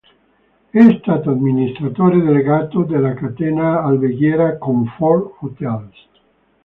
È stato amministratore delegato della catena alberghiera Comfort Hotels.